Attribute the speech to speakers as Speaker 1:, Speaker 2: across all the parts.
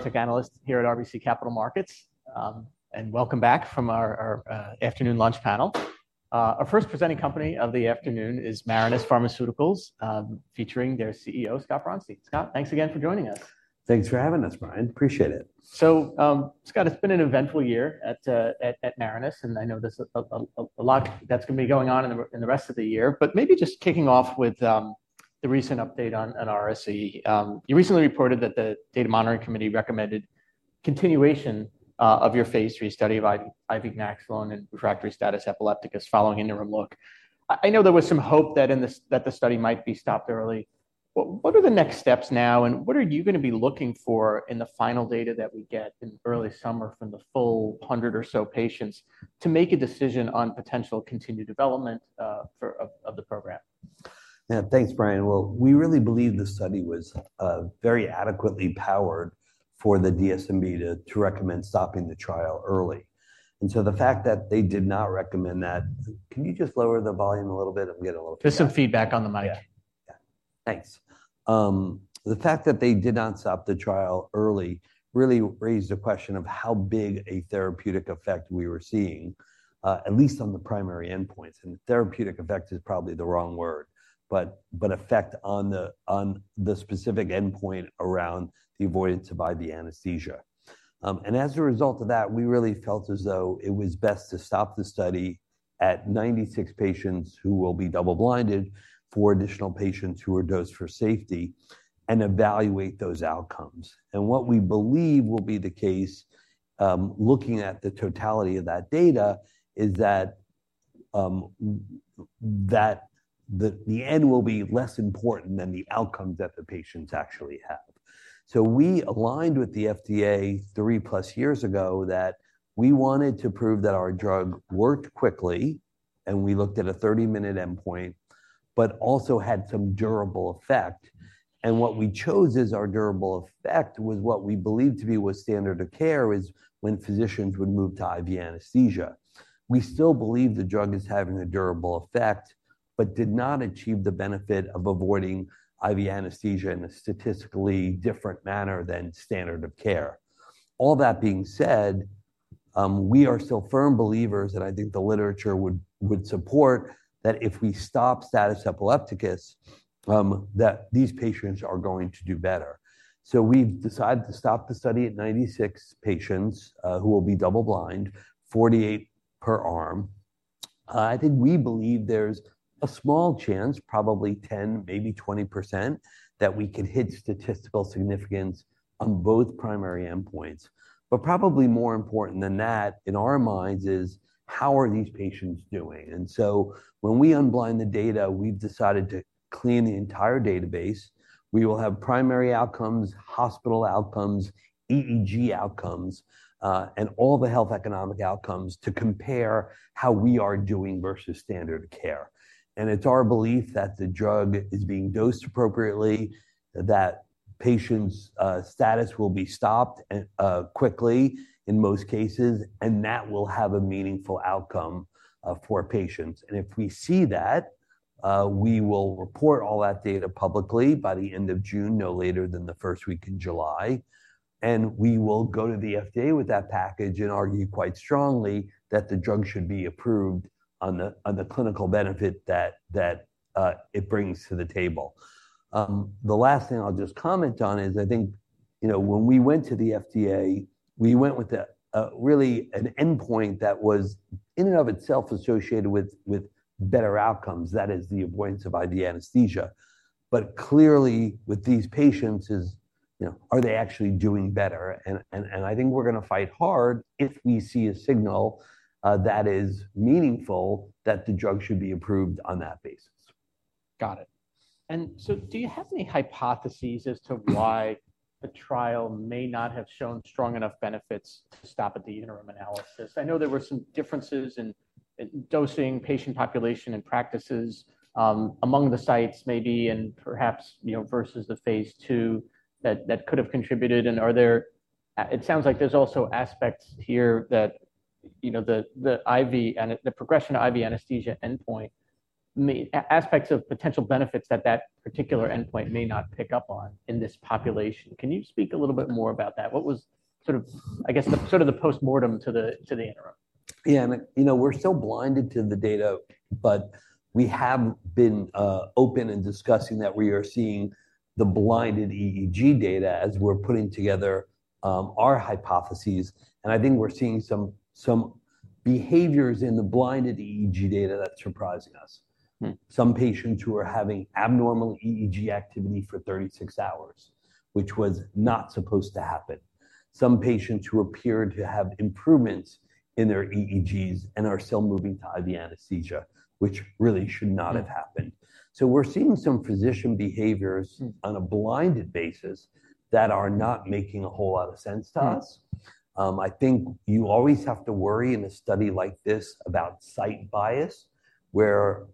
Speaker 1: Tech analyst here at RBC Capital Markets. Welcome back from our afternoon lunch panel. Our first presenting company of the afternoon is Marinus Pharmaceuticals, featuring their CEO, Scott Braunstein. Scott, thanks again for joining us.
Speaker 2: Thanks for having us, Brian. Appreciate it.
Speaker 1: So, Scott, it's been an eventful year at Marinus, and I know there's a lot that's going to be going on in the rest of the year. But maybe just kicking off with the recent update on RAISE. You recently reported that the Data Monitoring Committee recommended continuation of your Phase III study of IV ganaxolone in refractory status epilepticus following interim look. I know there was some hope that the study might be stopped early. What are the next steps now, and what are you going to be looking for in the final data that we get in early summer from the full 100 or so patients to make a decision on potential continued development of the program?
Speaker 2: Yeah. Thanks, Brian. Well, we really believe the study was very adequately powered for the DSMB to recommend stopping the trial early. And so the fact that they did not recommend that... Can you just lower the volume a little bit? I'm getting a little feedback.
Speaker 1: There's some feedback on the mic.
Speaker 2: Yeah. Yeah. Thanks. The fact that they did not stop the trial early really raised a question of how big a therapeutic effect we were seeing, at least on the primary endpoints. And therapeutic effect is probably the wrong word, but effect on the specific endpoint around the avoidance of IV anesthesia. And as a result of that, we really felt as though it was best to stop the study at 96 patients who will be double blinded, four additional patients who are dosed for safety, and evaluate those outcomes. And what we believe will be the case, looking at the totality of that data, is that the end will be less important than the outcomes that the patients actually have. So we aligned with the FDA 3+ years ago that we wanted to prove that our drug worked quickly, and we looked at a 30-minute endpoint, but also had some durable effect. And what we chose as our durable effect was what we believed to be was standard of care is when physicians would move to IV anesthesia. We still believe the drug is having a durable effect, but did not achieve the benefit of avoiding IV anesthesia in a statistically different manner than standard of care. All that being said, we are still firm believers, and I think the literature would, would support, that if we stop status epilepticus, that these patients are going to do better. So we've decided to stop the study at 96 patients, who will be double blind, 48 per arm. I think we believe there's a small chance, probably 10, maybe 20%, that we could hit statistical significance on both primary endpoints. But probably more important than that, in our minds, is: how are these patients doing? And so when we unblind the data, we've decided to clean the entire database. We will have primary outcomes, hospital outcomes, EEG outcomes, and all the health economic outcomes to compare how we are doing versus standard of care. And it's our belief that the drug is being dosed appropriately, that patients' status will be stopped, and quickly in most cases, and that will have a meaningful outcome for patients. And if we see that, we will report all that data publicly by the end of June, no later than the first week in July, and we will go to the FDA with that package and argue quite strongly that the drug should be approved on the clinical benefit that it brings to the table. The last thing I'll just comment on is, I think, you know, when we went to the FDA, we went with a really an endpoint that was in and of itself associated with better outcomes, that is the avoidance of IV anesthesia. But clearly, with these patients, you know, are they actually doing better? And I think we're going to fight hard if we see a signal that is meaningful, that the drug should be approved on that basis.
Speaker 1: Got it. And so do you have any hypotheses as to why the trial may not have shown strong enough benefits to stop at the interim analysis? I know there were some differences in dosing, patient population, and practices among the sites, maybe, and perhaps, you know, versus the Phase II, that could have contributed. And are there it sounds like there's also aspects here that, you know, the IV, the progression IV anesthesia endpoint, may aspects of potential benefits that that particular endpoint may not pick up on in this population. Can you speak a little bit more about that? What was sort of, I guess, the postmortem to the interim?
Speaker 2: Yeah, and, you know, we're still blinded to the data, but we have been open in discussing that we are seeing the blinded EEG data as we're putting together our hypotheses. And I think we're seeing some, some behaviors in the blinded EEG data that's surprising us.
Speaker 1: Hmm.
Speaker 2: Some patients who are having abnormal EEG activity for 36 hours, which was not supposed to happen. Some patients who appeared to have improvements in their EEGs and are still moving to IV anesthesia, which really should not have happened.
Speaker 1: Hmm.
Speaker 2: We're seeing some physician behaviors-
Speaker 1: Hmm.
Speaker 2: on a blinded basis that are not making a whole lot of sense to us.
Speaker 1: Hmm.
Speaker 2: I think you always have to worry in a study like this about site bias, where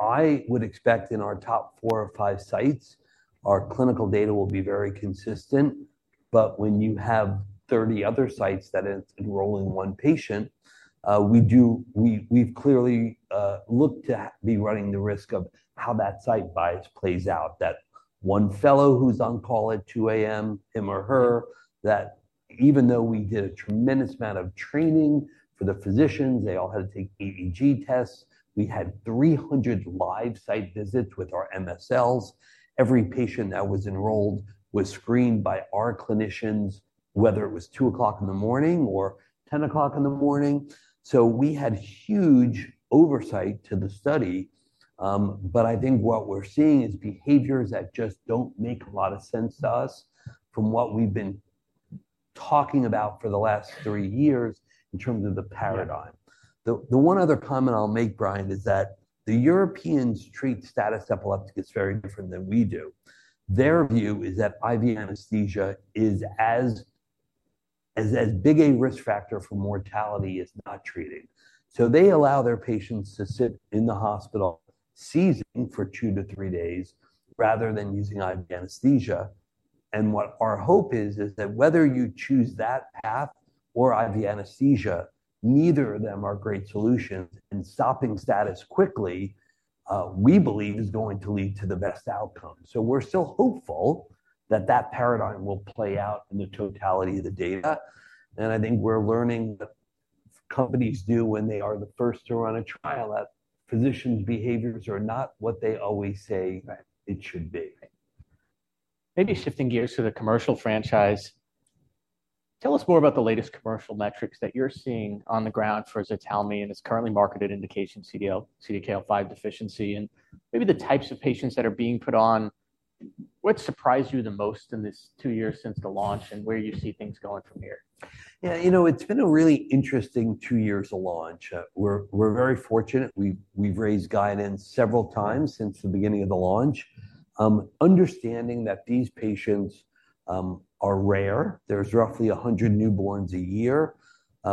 Speaker 2: I would expect in our top 4 or 5 sites, our clinical data will be very consistent. But when you have 30 other sites that it's enrolling one patient, we do, we've clearly looked to be running the risk of how that site bias plays out, that one fellow who's on call at 2 A.M., him or her, that even though we did a tremendous amount of training for the physicians, they all had to take EEG tests. We had 300 live site visits with our MSLs. Every patient that was enrolled was screened by our clinicians, whether it was 2:00 A.M. or 10:00 A.M. So we had huge oversight to the study, but I think what we're seeing is behaviors that just don't make a lot of sense to us from what we've been talking about for the last three years in terms of the paradigm.
Speaker 1: Yeah.
Speaker 2: The one other comment I'll make, Brian, is that the Europeans treat status epilepticus very different than we do. Their view is that IV anesthesia is as big a risk factor for mortality as not treating. So they allow their patients to sit in the hospital seizing for 2-3 days, rather than using IV anesthesia. And what our hope is, is that whether you choose that path or IV anesthesia, neither of them are great solutions, and stopping status quickly, we believe, is going to lead to the best outcome. So we're still hopeful that that paradigm will play out in the totality of the data. And I think we're learning, the companies do, when they are the first to run a trial, that physicians' behaviors are not what they always say-
Speaker 1: Right...
Speaker 2: it should be.
Speaker 1: Maybe shifting gears to the commercial franchise. Tell us more about the latest commercial metrics that you're seeing on the ground for Ztalmy, and its currently marketed indication, CDKL5 deficiency, and maybe the types of patients that are being put on. What surprised you the most in this two years since the launch, and where do you see things going from here?
Speaker 2: Yeah, you know, it's been a really interesting two years of launch. We're very fortunate. We've raised guidance several times since the beginning of the launch. Understanding that these patients are rare, there's roughly 100 newborns a year.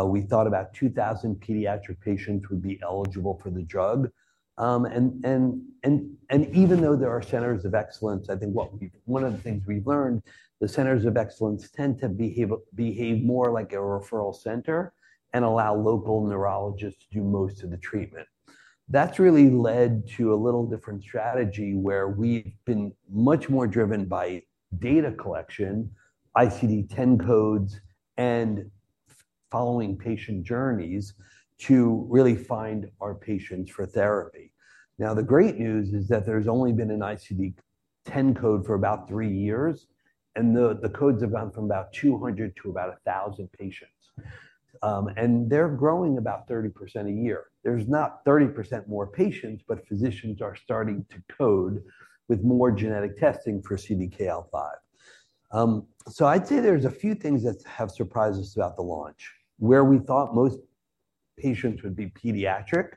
Speaker 2: We thought about 2,000 pediatric patients would be eligible for the drug. And even though there are centers of excellence, I think what we've learned, one of the things we've learned, the centers of excellence tend to behave more like a referral center and allow local neurologists to do most of the treatment. That's really led to a little different strategy, where we've been much more driven by data collection, ICD-10 codes, and following patient journeys to really find our patients for therapy. Now, the great news is that there's only been an ICD-10 code for about 3 years, and the codes have gone from about 200 to about 1,000 patients. And they're growing about 30% a year. There's not 30% more patients, but physicians are starting to code with more genetic testing for CDKL5. So I'd say there's a few things that have surprised us about the launch. Where we thought most patients would be pediatric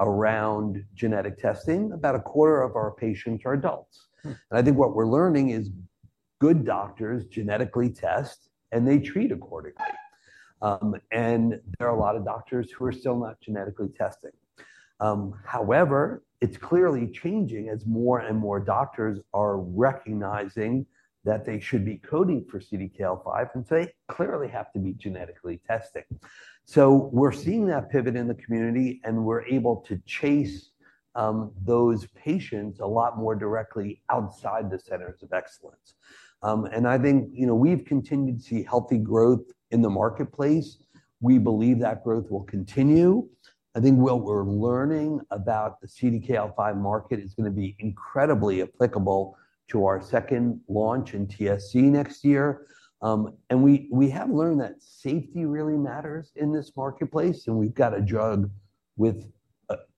Speaker 2: around genetic testing, about a quarter of our patients are adults.
Speaker 1: Hmm.
Speaker 2: I think what we're learning is good doctors genetically test, and they treat accordingly. There are a lot of doctors who are still not genetically testing. However, it's clearly changing as more and more doctors are recognizing that they should be coding for CDKL5, and so they clearly have to be genetically testing. So we're seeing that pivot in the community, and we're able to chase those patients a lot more directly outside the centers of excellence. I think, you know, we've continued to see healthy growth in the marketplace. We believe that growth will continue. I think what we're learning about the CDKL5 market is going to be incredibly applicable to our second launch in TSC next year. And we have learned that safety really matters in this marketplace, and we've got a drug with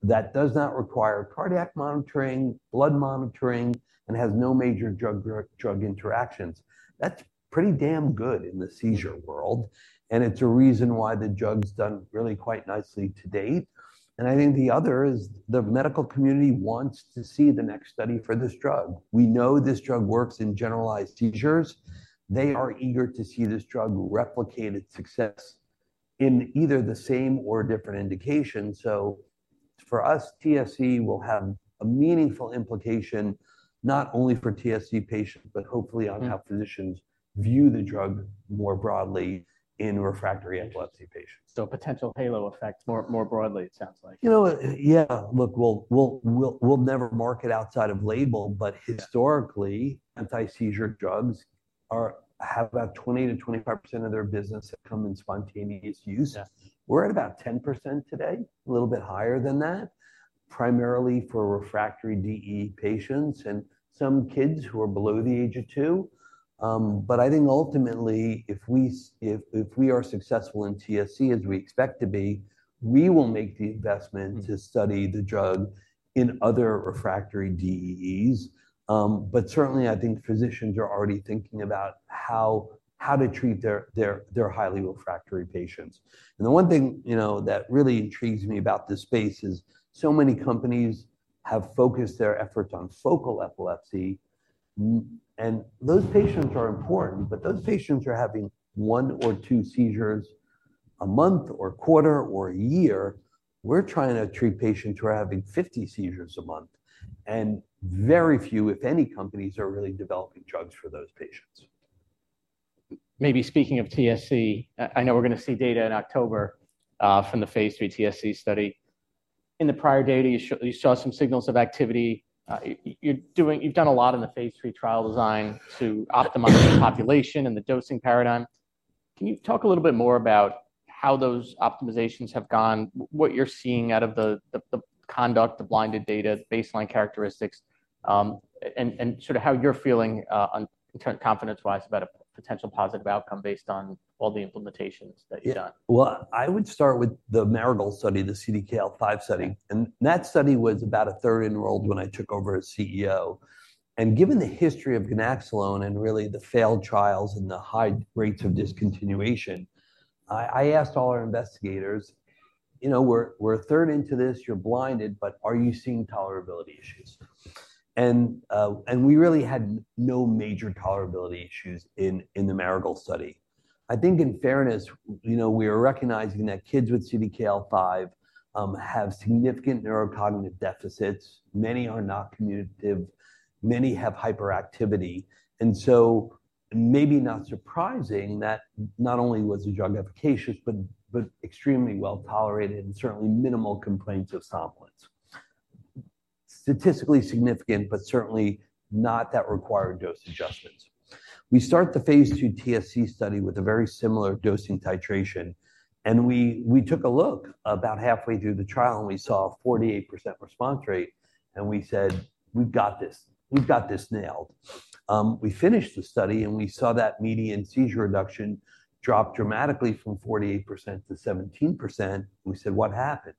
Speaker 2: that does not require cardiac monitoring, blood monitoring, and has no major drug interactions. That's pretty damn good in the seizure world, and it's a reason why the drug's done really quite nicely to date. And I think the other is the medical community wants to see the next study for this drug. We know this drug works in generalized seizures. They are eager to see this drug replicate its success in either the same or different indications. So for us, TSC will have a meaningful implication, not only for TSC patients, but hopefully-
Speaker 1: Hmm...
Speaker 2: on how physicians view the drug more broadly in refractory epilepsy patients.
Speaker 1: So a potential halo effect more, more broadly, it sounds like.
Speaker 2: You know, yeah. Look, we'll never market outside of label, but-
Speaker 1: Yeah...
Speaker 2: historically, anti-seizure drugs are, have about 20%-25% of their business that come in spontaneous use.
Speaker 1: Yeah.
Speaker 2: We're at about 10% today, a little bit higher than that, primarily for refractory DE patients and some kids who are below the age of two. But I think ultimately, if, if we are successful in TSC, as we expect to be, we will make the investment-
Speaker 1: Mm-hmm...
Speaker 2: to study the drug in other refractory DEEs. But certainly, I think physicians are already thinking about how to treat their highly refractory patients. And the one thing, you know, that really intrigues me about this space is so many companies have focused their efforts on focal epilepsy. And those patients are important, but those patients are having one or two seizures a month, or a quarter, or a year. We're trying to treat patients who are having 50 seizures a month, and very few, if any, companies are really developing drugs for those patients....
Speaker 1: Maybe speaking of TSC, I know we're gonna see data in October from the phase III TSC study. In the prior data, you saw some signals of activity. You've done a lot in the phase III trial design to optimize the population and the dosing paradigm. Can you talk a little bit more about how those optimizations have gone, what you're seeing out of the, the, the conduct, the blinded data, baseline characteristics, and, and sort of how you're feeling on confidence-wise about a potential positive outcome based on all the implementations that you've done?
Speaker 2: Yeah. Well, I would start with the Marigold study, the CDKL5 study. That study was about a third enrolled when I took over as CEO. Given the history of ganaxolone and really the failed trials and the high rates of discontinuation, I asked all our investigators, "You know, we're a third into this, you're blinded, but are you seeing tolerability issues?" And we really had no major tolerability issues in the Marigold study. I think in fairness, you know, we are recognizing that kids with CDKL5 have significant neurocognitive deficits. Many are not communicative, many have hyperactivity, and so maybe not surprising that not only was the drug efficacious, but extremely well-tolerated and certainly minimal complaints of somnolence. Statistically significant, but certainly not that required dose adjustments. We start the phase II TSC study with a very similar dosing titration, and we, we took a look about halfway through the trial, and we saw a 48% response rate, and we said, "We've got this. We've got this nailed." We finished the study, and we saw that median seizure reduction drop dramatically from 48% to 17%. We said: What happened?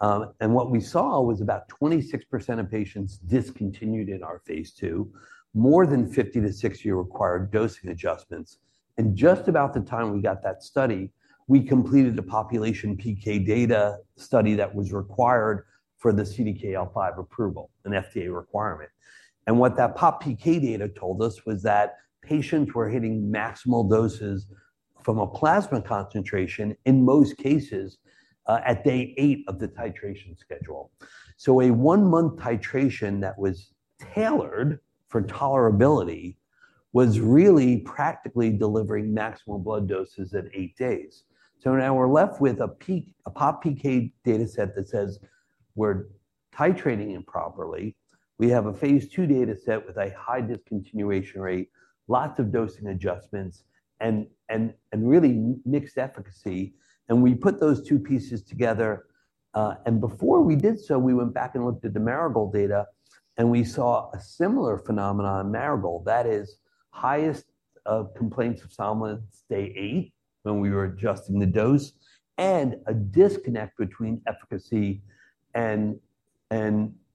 Speaker 2: And what we saw was about 26% of patients discontinued in our phase II. More than 50-60 required dosing adjustments. And just about the time we got that study, we completed a population PK data study that was required for the CDKL5 approval, an FDA requirement. And what that pop PK data told us was that patients were hitting maximal doses from a plasma concentration, in most cases, at day 8 of the titration schedule. So a 1-month titration that was tailored for tolerability was really practically delivering maximal blood doses at 8 days. So now we're left with a peak, a pop PK data set that says we're titrating improperly. We have a Phase II data set with a high discontinuation rate, lots of dosing adjustments, and really mixed efficacy, and we put those two pieces together. And before we did so, we went back and looked at the Marigold data, and we saw a similar phenomenon in Marigold. That is, highest of complaints of somnolence, day 8, when we were adjusting the dose, and a disconnect between efficacy and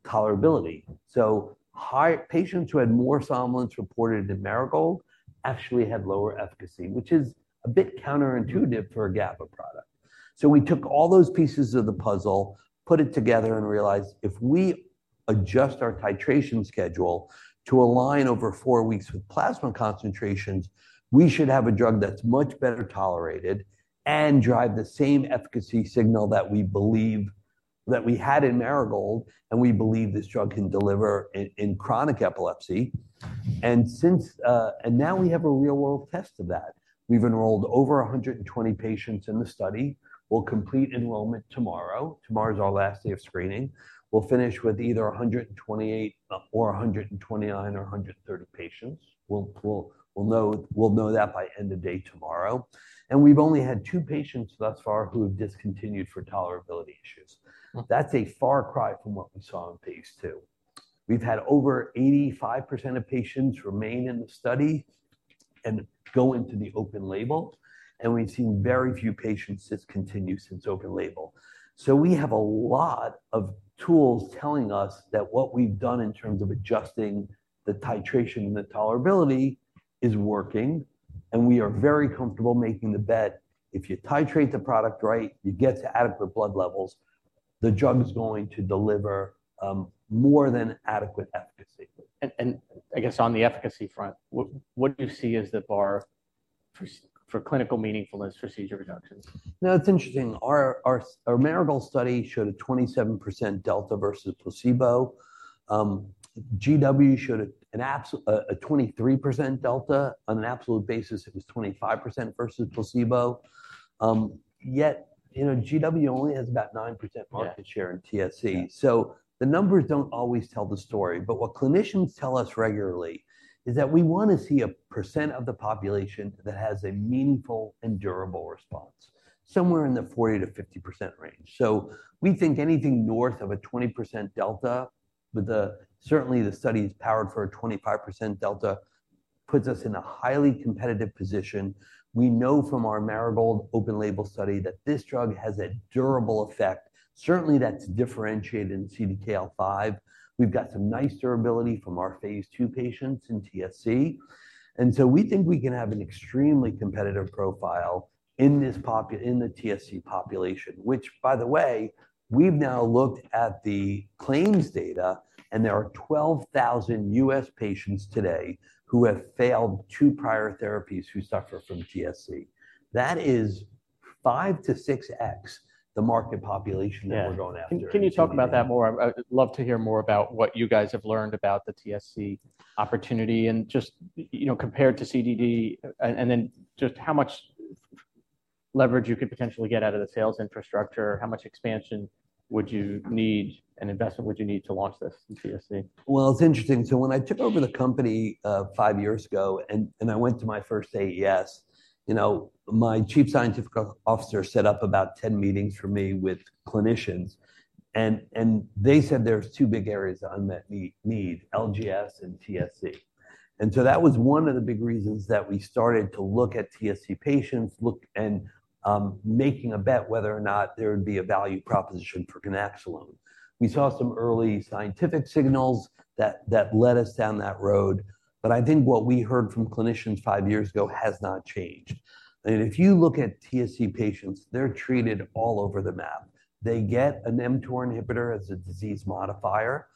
Speaker 2: tolerability. So patients who had more somnolence reported in Marigold actually had lower efficacy, which is a bit counterintuitive for a GABA product. So we took all those pieces of the puzzle, put it together, and realized if we adjust our titration schedule to align over four weeks with plasma concentrations, we should have a drug that's much better tolerated and drive the same efficacy signal that we believe that we had in Marigold, and we believe this drug can deliver in, in chronic epilepsy. And since... And now we have a real-world test of that. We've enrolled over 120 patients in the study. We'll complete enrollment tomorrow. Tomorrow is our last day of screening. We'll finish with either 128, or 129, or 130 patients. We'll, we'll, we'll know, we'll know that by end of day tomorrow. And we've only had two patients thus far who have discontinued for tolerability issues. That's a far cry from what we saw in phase II. We've had over 85% of patients remain in the study and go into the open label, and we've seen very few patients discontinue since open label. So we have a lot of tools telling us that what we've done in terms of adjusting the titration and the tolerability is working, and we are very comfortable making the bet. If you titrate the product right, you get to adequate blood levels, the drug is going to deliver more than adequate efficacy.
Speaker 1: I guess on the efficacy front, what do you see as the bar for clinical meaningfulness for seizure reductions?
Speaker 2: Now, it's interesting. Our Marigold study showed a 27% delta versus placebo. GW showed a 23% delta. On an absolute basis, it was 25% versus placebo. Yet, you know, GW only has about 9% market share in TSC.
Speaker 1: Yeah.
Speaker 2: So the numbers don't always tell the story, but what clinicians tell us regularly is that we wanna see a percent of the population that has a meaningful and durable response, somewhere in the 40%-50% range. So we think anything north of a 20% delta, with the certainly, the study is powered for a 25% delta, puts us in a highly competitive position. We know from our Marigold open label study that this drug has a durable effect. Certainly, that's differentiated in CDKL5. We've got some nice durability from our phase II patients in TSC. And so we think we can have an extremely competitive profile in the TSC population, which, by the way, we've now looked at the claims data, and there are 12,000 U.S. patients today who have failed two prior therapies who suffer from TSC. That is... 5-6x the market population that we're going after.
Speaker 1: Yeah. Can you talk about that more? I'd love to hear more about what you guys have learned about the TSC opportunity and just, you know, compared to CDD, and then just how much leverage you could potentially get out of the sales infrastructure? How much expansion would you need, and investment would you need to launch this TSC?
Speaker 2: Well, it's interesting. So when I took over the company, five years ago, and I went to my first AES, you know, my chief scientific officer set up about 10 meetings for me with clinicians, and they said there's two big areas of unmet need: LGS and TSC. And so that was one of the big reasons that we started to look at TSC patients, and making a bet whether or not there would be a value proposition for ganaxolone. We saw some early scientific signals that led us down that road, but I think what we heard from clinicians five years ago has not changed. And if you look at TSC patients, they're treated all over the map. They get an mTOR inhibitor as a disease modifier,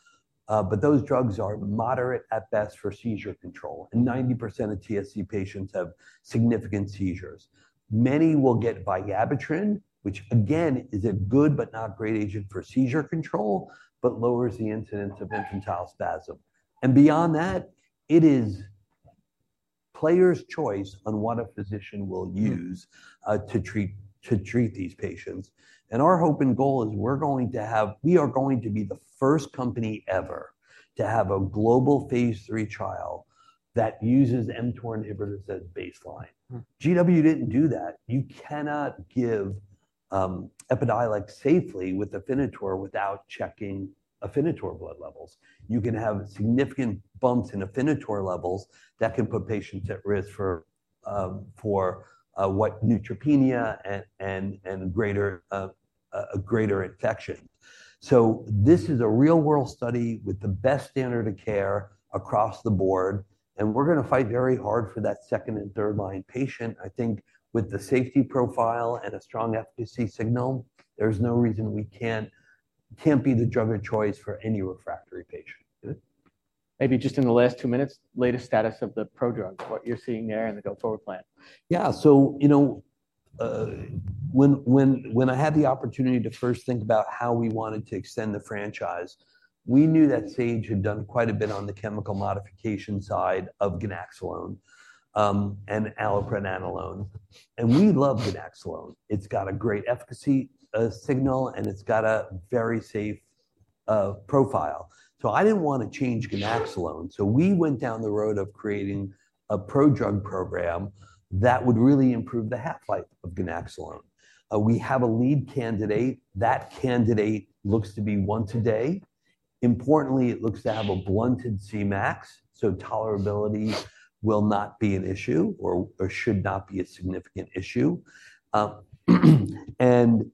Speaker 2: but those drugs are moderate at best for seizure control, and 90% of TSC patients have significant seizures. Many will get vigabatrin, which again, is a good but not great agent for seizure control, but lowers the incidence of infantile spasm. And beyond that, it is player's choice on what a physician will use to treat these patients. And our hope and goal is we are going to be the first company ever to have a global Phase III trial that uses mTOR inhibitors as baseline. GW didn't do that. You cannot give Epidiolex safely with Afinitor without checking Afinitor blood levels. You can have significant bumps in Afinitor levels that can put patients at risk for with neutropenia and greater, a greater infection. So this is a real-world study with the best standard of care across the board, and we're gonna fight very hard for that second- and third-line patient. I think with the safety profile and a strong efficacy signal, there's no reason we can't be the drug of choice for any refractory patient.
Speaker 1: Maybe just in the last two minutes, latest status of the prodrug, what you're seeing there, and the go-forward plan.
Speaker 2: Yeah, so you know, when I had the opportunity to first think about how we wanted to extend the franchise, we knew that Sage had done quite a bit on the chemical modification side of ganaxolone, and allopregnanolone, and we love ganaxolone. It's got a great efficacy signal, and it's got a very safe profile. So I didn't want to change ganaxolone, so we went down the road of creating a prodrug program that would really improve the half-life of ganaxolone. We have a lead candidate. That candidate looks to be once a day. Importantly, it looks to have a blunted Cmax, so tolerability will not be an issue or should not be a significant issue. And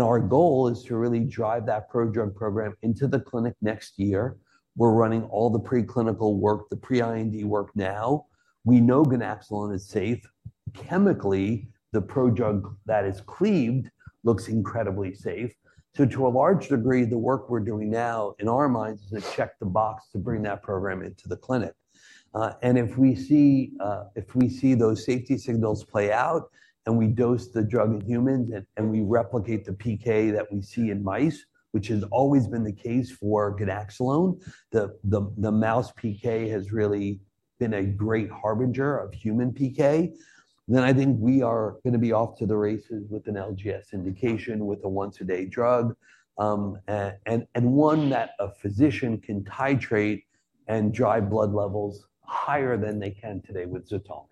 Speaker 2: our goal is to really drive that prodrug program into the clinic next year. We're running all the preclinical work, the pre-IND work now. We know ganaxolone is safe. Chemically, the prodrug that is cleaved looks incredibly safe. So to a large degree, the work we're doing now, in our minds, is to check the box to bring that program into the clinic. And if we see those safety signals play out and we dose the drug in humans, and we replicate the PK that we see in mice, which has always been the case for ganaxolone, the mouse PK has really been a great harbinger of human PK, then I think we are gonna be off to the races with an LGS indication, with a once-a-day drug, and one that a physician can titrate and drive blood levels higher than they can today with ZTALMY.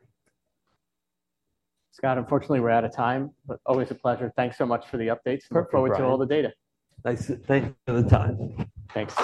Speaker 1: Scott, unfortunately, we're out of time, but always a pleasure. Thanks so much for the updates.
Speaker 2: Thank you, Brian.
Speaker 1: Look forward to all the data.
Speaker 2: Thanks. Thank you for the time.
Speaker 1: Thanks.